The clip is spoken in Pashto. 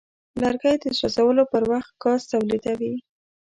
لرګی د سوځولو پر وخت ګاز تولیدوي.